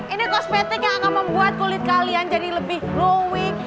ini kosmetik yang akan membuat kulit kalian jadi lebih growing